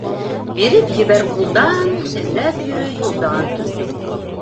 Биреп ебәр ҡулдан, эҙләп йөрө юлдан.